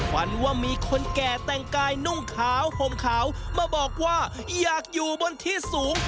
ฝันว่ามีคนแก่แต่งกายนุ่งขาวห่มขาวมาบอกว่าอยากอยู่บนที่สูง